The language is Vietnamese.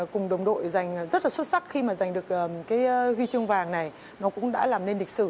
cùng đồng đội dành rất là xuất sắc khi mà giành được cái huy chương vàng này nó cũng đã làm nên lịch sử